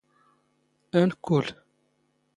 ⴰⵏⴽⴽⵓⵍ.